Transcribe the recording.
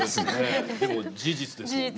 でも事実ですもんね。